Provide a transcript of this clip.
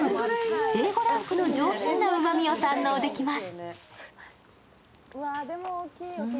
Ａ５ランクの上品なうまみを堪能できます。